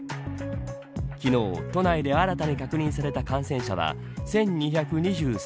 昨日、都内で新たに確認された感染者は１２２３人。